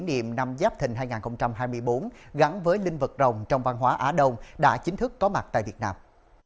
niệm năm giáp thình hai nghìn hai mươi bốn gắn với linh vật rồng trong văn hóa á đông đã chính thức có mặt tại việt nam